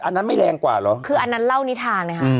อันนั้นไม่แรงกว่าเหรอคืออันนั้นเล่านิทานเลยค่ะ